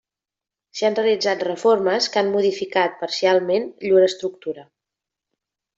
S'hi han realitzat reformes que han modificat parcialment llur estructura.